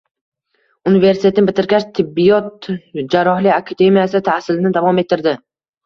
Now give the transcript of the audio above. Universitetni bitirgach, Tibbiyot-jarrohlik akademiyasida tahsilni davom ettirdi